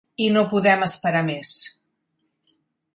I no podem esperar més.